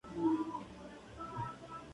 O caso galego".